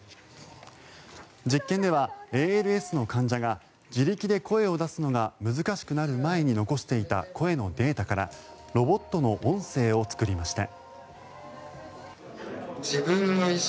実験ではＡＬＳの患者が自力で声を出すのが難しくなる前に残していた声のデータからロボットの音声を作りました。